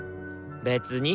別に。